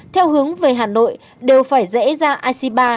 theo hướng về hà nội đều phải rẽ ra ic ba